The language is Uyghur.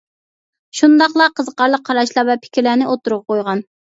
شۇنداقلا قىزىقارلىق قاراشلار ۋە پىكىرلەرنى ئوتتۇرىغا قويغان.